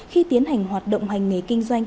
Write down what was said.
khi tiến hành hoạt động hành nghề kinh doanh